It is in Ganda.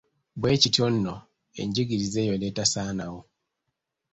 Bwekityo nno enjigiriza eyo n’etasaanawo.